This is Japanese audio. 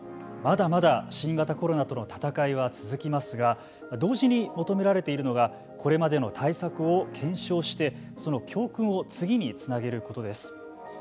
まだまだ新型コロナとの闘いは続きますが同時に求められているのがこれまでの対策を検証してその教訓を次につなげることです。